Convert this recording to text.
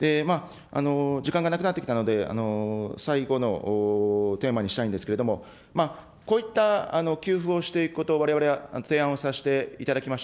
時間がなくなってきたので、最後のテーマにしたいんですけれども、こういった給付をしていくこと、われわれは提案をさせていただきました。